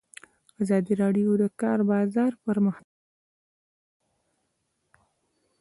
ازادي راډیو د د کار بازار پرمختګ سنجولی.